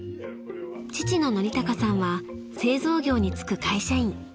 ［父の教貴さんは製造業に就く会社員］